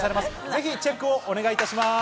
ぜひチェックをお願いいたします。